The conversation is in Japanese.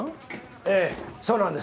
ええそうなんです。